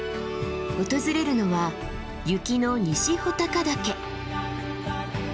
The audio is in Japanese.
訪れるのは雪の西穂高岳。